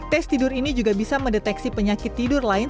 tes tidur ini juga bisa mendeteksi penyakit tidur lain